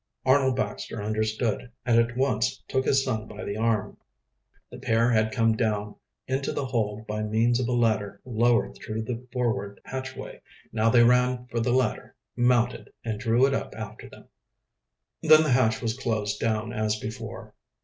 Arnold Baxter understood, and at once took his son by the arm. The pair had come down into the hold by means of a ladder lowered through the forward hatchway. Now they ran for the ladder, mounted, and drew it up after them. Then the hatch was closed down as before.